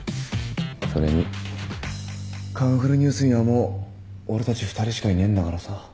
それに『カンフルＮＥＷＳ』にはもう俺たち２人しかいねえんだからさ。